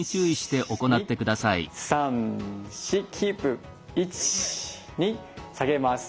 １２３４キープ１２下げます。